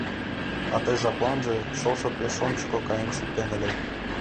А ты жапланже шошо пеш ончыко каен шуктен ыле.